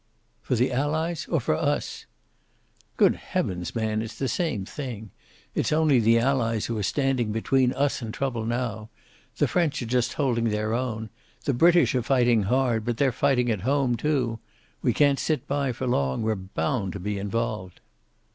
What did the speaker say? "For the Allies? Or for us?" "Good heavens, man, it's the same thing. It is only the Allies who are standing between us and trouble now. The French are just holding their own. The British are fighting hard, but they're fighting at home too. We can't sit by for long. We're bound to be involved."